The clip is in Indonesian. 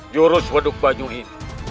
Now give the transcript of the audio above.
jurus waduk banyu ini